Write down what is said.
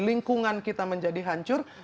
lingkungan kita menjadi hancur